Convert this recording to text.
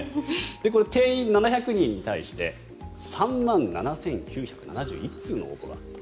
定員７００人に対して３万７９７１通の応募があった。